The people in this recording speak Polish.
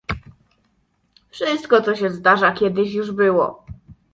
"Wszystko, co się zdarza, kiedyś już było."